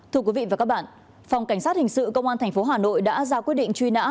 thưa quý vị và các bạn phòng cảnh sát hình sự công an tp hà nội đã ra quyết định truy nã